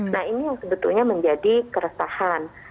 nah ini yang sebetulnya menjadi keresahan